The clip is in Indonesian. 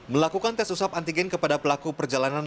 melakukan tes usap antigen kepada pelaku perjalanan